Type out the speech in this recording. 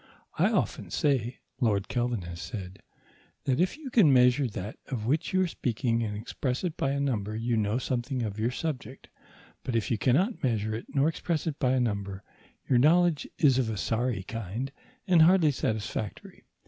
"I often say," Lord Kelvin has said, "that if you can measure that of which you are speaking and express it by a number you know something of your subject; but if you cannot measure it nor express it by a number, your knowledge is of a sorry kind and hardly satisfactory.